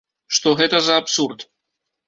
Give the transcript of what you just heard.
Што гэта за абсурд?